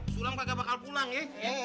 sulam kagak bakal pulang ya